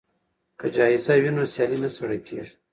که جایزه وي نو سیالي نه سړه کیږي.